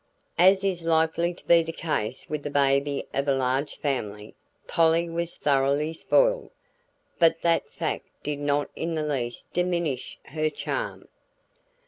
As is likely to be the case with the baby of a large family, Polly was thoroughly spoiled, but that fact did not in the least diminish her charm.